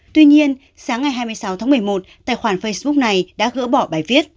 tuy nhiên sáng ngày hai mươi sáu tháng một mươi một tài khoản facebook này đã gỡ bỏ bài viết